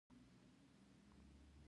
ځان من من ګڼل